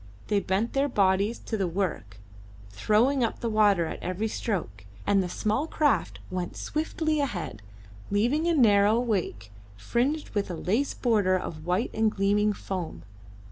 They bent their bodies to the work, throwing up the water at every stroke, and the small craft went swiftly ahead, leaving a narrow wake fringed with a lace like border of white and gleaming foam.